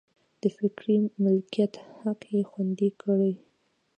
د فکري مالکیت حق یې خوندي کړي.